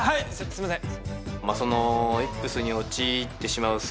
すいません